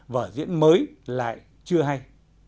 vở diễn mới lại chưa hay